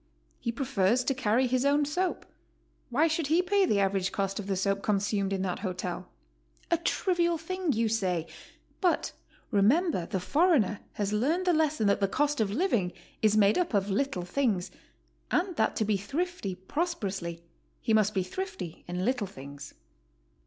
He prefers to carry his own soap; why should he pay the average cost of the soap consumed in that hotel? A trivial thing, you say, but remember the foreigner has learned the lesson that the cost of living is made up of little things, and that to be thrifty prosperously he must be thrifty in little things.